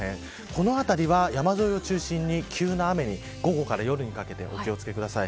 この辺りは山沿いを中心に急な雨に、午後から夜にかけてお気を付けください。